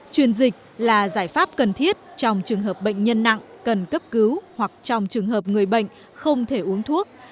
truyền dịch là giải pháp cần thiết trong trường hợp bệnh nhân nặng cần cấp cứu hoặc trong trường hợp người bệnh không thể uống thuốc